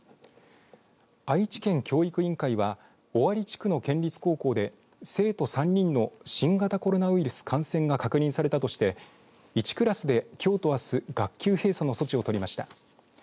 愛知県教育委員会は尾張地区の県立高校で生徒３人の新型コロナウイルス感染が確認されたとして１クラスできょうとあす学級閉鎖の措置をとりました。